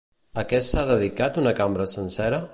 A què s'ha dedicat una cambra sencera?